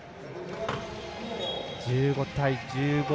１５対１５。